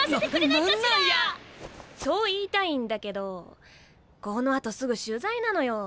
な何なんや！と言いたいんだけどこのあとすぐ取材なのよ。